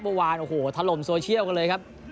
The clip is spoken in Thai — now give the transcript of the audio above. เมื่อวานโอ้โหถล่มโซเชียลกันเลยครับ